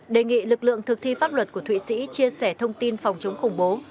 đề nghị lực lượng thực thi pháp luật của thụy sĩ chia sẻ thông tin phòng chống khủng bố